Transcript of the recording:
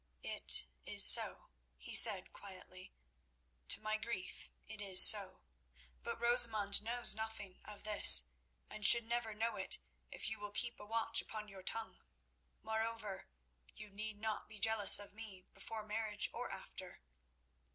"It is so," he said quietly. "To my grief it is so. But Rosamund knows nothing of this, and should never know it if you will keep a watch upon your tongue. Moreover, you need not be jealous of me, before marriage or after."